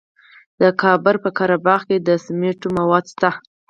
د کابل په قره باغ کې د سمنټو مواد شته.